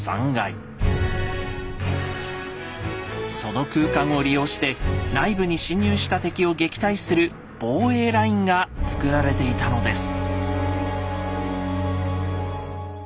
その空間を利用して内部に侵入した敵を撃退する防衛ラインがつくられていたのです。